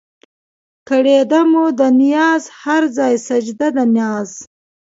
کړېده مو ده نياز هر ځای سجده د ناز